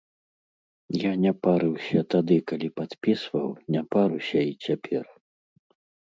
Я не парыўся тады, калі падпісваў, не паруся і цяпер.